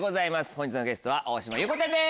本日のゲストは大島優子ちゃんです。